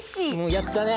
やったね！